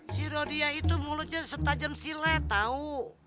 si rodia itu mulutnya setajem si lai tau